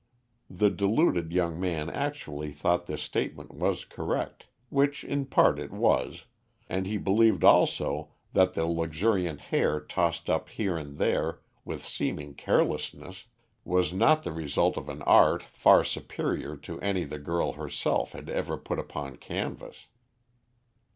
The deluded young man actually thought this statement was correct, which in part it was, and he believed also that the luxuriant hair tossed up here and there with seeming carelessness was not the result of an art far superior to any the girl herself had ever put upon canvas.